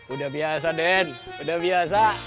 udah biasa den udah biasa